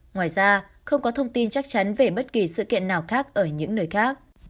ngoài ra không có thông tin chắc chắn về bất kỳ sự kiện nào khác ở những nơi khác